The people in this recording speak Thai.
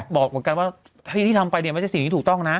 บอกเหมือนกันว่าที่ทำไปเนี่ยไม่ใช่สิ่งที่ถูกต้องนะ